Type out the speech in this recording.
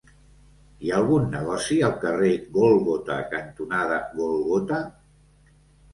Hi ha algun negoci al carrer Gòlgota cantonada Gòlgota?